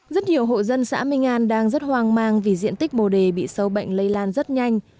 rất nhiều hộ dân xã minh an đang rất hoang mang vì diện tích bồ đề bị sâu bệnh lây lan rất nhanh